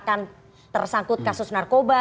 akan tersangkut kasus narkoba